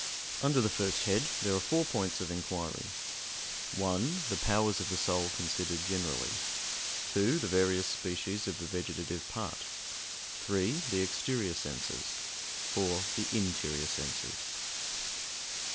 Under the first head there are four points of inquiry: (1) The powers of the soul considered generally; (2) The various species of the vegetative part; (3) The exterior senses; (4) The interior senses.